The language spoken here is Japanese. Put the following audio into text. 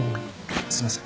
すいません。